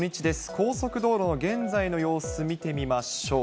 高速道路の現在の様子見てみましょう。